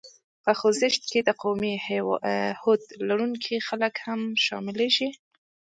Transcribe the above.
په خوځښت کې د قوي هوډ لرونکي خلک هم شامليږي.